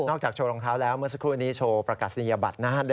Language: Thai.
จากโชว์รองเท้าแล้วเมื่อสักครู่นี้โชว์ประกาศนียบัตรนะฮะ